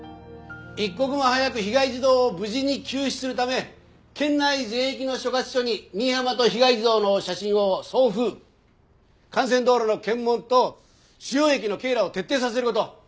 一刻も早く被害児童を無事に救出するため県内全域の所轄署に新浜と被害児童の写真を送付幹線道路の検問と主要駅の警邏を徹底させる事。